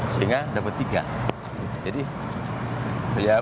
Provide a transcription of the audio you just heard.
sehingga dapat tiga